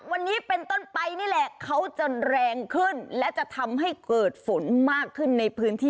วันนี้เป็นต้นไปนี่แหละเขาจะแรงขึ้นและจะทำให้เกิดฝนมากขึ้นในพื้นที่